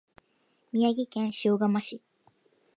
宮城県塩竈市